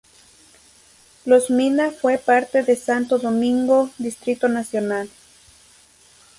Los Mina fue parte de Santo Domingo, Distrito Nacional.